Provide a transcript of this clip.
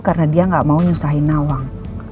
karena dia gak mau nyusahin nawang